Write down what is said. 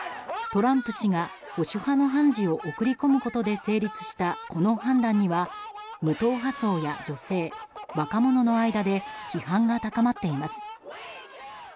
トランプ氏が、保守派の判事を送り込むことで成立したこの判断には、無党派層や女性若者の間で批判が高まっています。